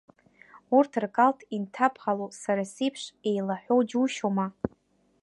Урҭ ркалҭ инҭаԥало, сара сеиԥш еилаҳәоу џьушьома?